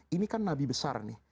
ini kan nabi besar nih